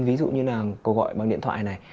ví dụ như là câu gọi bằng điện thoại này